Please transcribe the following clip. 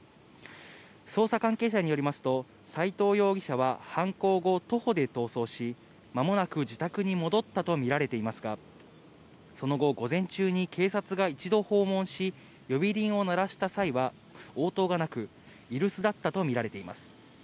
捜査関係者によりますと、斎藤容疑者は犯行後、徒歩で逃走し、まもなく自宅に戻ったと見られていますが、その後、午前中に警察が一度訪問し、呼び鈴を鳴らした際は、応答がなく、居留守だったと見られています。